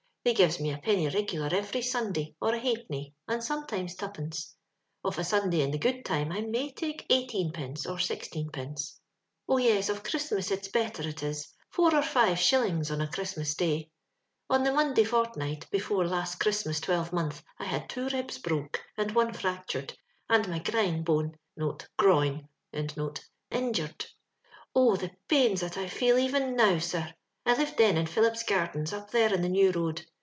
They gives me a penny rigular every Sunday, or a ha'penny, and some tuppence. Of a Sunday in the gooid time I may take eighteenpenoe or sixteen pence. *• Oh, yes, of Christmas it's better, it is— four or five shillings on a Christmas day. '* On the Monday fortnight, before last Christmas twelvemonth, I had two ribs broke, and one fractured, and my grine (groin) bone iojured. Oh ! tlie pains that I feel even now, sir. I lived tben in Phillip's gardens, up there in the New road.